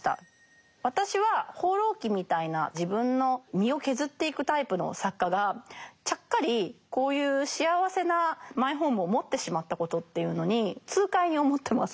私は「放浪記」みたいな自分の身を削っていくタイプの作家がちゃっかりこういう幸せなマイホームを持ってしまったことっていうのに痛快に思ってます。